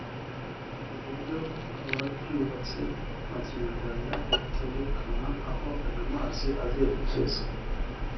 ku buryo n’abayubatse magingo aya baterekana aho ayo mazi azerekeza